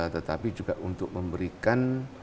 tetapi juga untuk memberikan